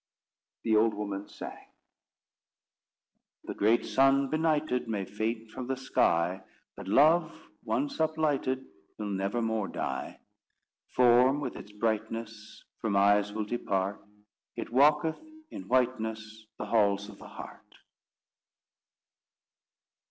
The old woman sang: The great sun, benighted, May faint from the sky; But love, once uplighted, Will never more die. Form, with its brightness, From eyes will depart: It walketh, in whiteness, The halls of the heart.